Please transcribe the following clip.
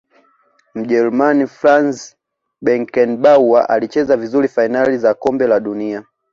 mjerumani franz beckenbauer alicheza vizuri fainali za kombe la dunia